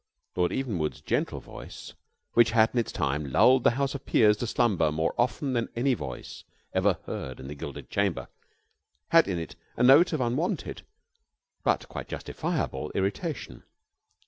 Lord Evenwood's gentle voice, which had in its time lulled the House of Peers to slumber more often than any voice ever heard in the Gilded Chamber, had in it a note of unwonted, but quite justifiable, irritation.